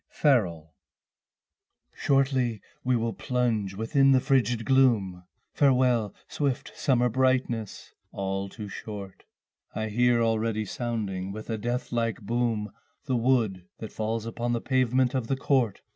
Autumn Song I Shortly we will plunge within the frigid gloom, Farewell swift summer brightness; all too short I hear already sounding with a death like boom The wood that falls upon the pavement of the court.